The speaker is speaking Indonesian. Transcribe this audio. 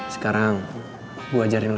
sekarang gue ajarin lo ya